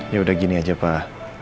ya udah gini aja pak